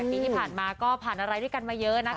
ปีที่ผ่านมาก็ผ่านอะไรด้วยกันมาเยอะนะคะ